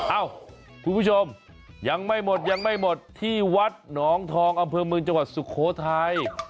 อ้าวคุณผู้ชมยังไม่หมดที่วัดหนองทองอำเภิมือจังหวัดสุโขทัย